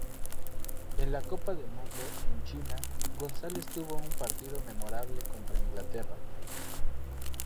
En la Copa del Mundo en China, González tuvo un partido memorable contra Inglaterra.